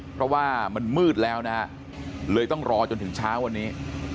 เพราะว่ามันมืดแล้วนะฮะเลยต้องรอจนถึงเช้าวันนี้